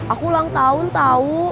aku ulang tahun tau